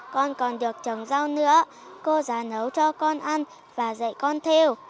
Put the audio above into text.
con còn được trồng rau nữa cô giáo nấu cho con ăn và dạy con theo